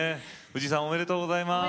藤さんおめでとうございます。